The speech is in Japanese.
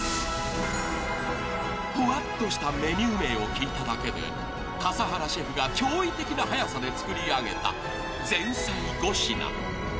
［ふわっとしたメニュー名を聞いただけで笠原シェフが驚異的な早さで作り上げた前菜５品］